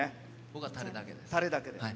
僕は、たれだけです。